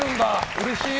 うれしい。